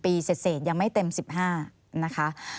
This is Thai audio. ปีเสร็จยังไม่เต็ม๑๕นะคะ